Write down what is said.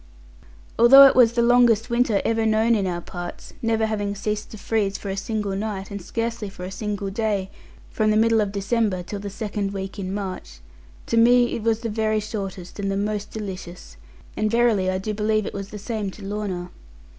Although it was the longest winter ever known in our parts (never having ceased to freeze for a single night, and scarcely for a single day, from the middle of December till the second week in March), to me it was the very shortest and the most delicious; and verily I do believe it was the same to Lorna.